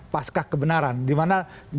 pasca kebenaran dimana